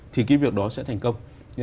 thì cái việc đó sẽ thành công